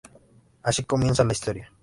Así comienza la historia.